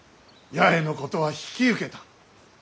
八重のことは引き受けた。